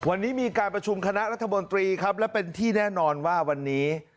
วันนี้มีการประชุมคณะรัฐมนตรีครับและเป็นที่แน่นอนว่าวันนี้